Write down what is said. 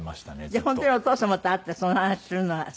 本当にお義父様と会ってその話するのは好きなの？